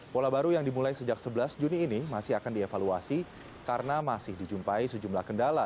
pola baru yang dimulai sejak sebelas juni ini masih akan dievaluasi karena masih dijumpai sejumlah kendala